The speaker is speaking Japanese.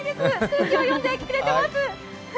空気を読んでくれてます。